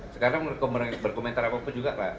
sekarang berkomentar apapun juga pak